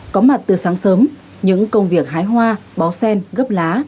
có mặt từ sáng sớm những công việc hái hoa bó sen gấp lá